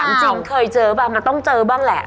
จริงเคยเจอบ้างมันต้องเจอบ้างแหละ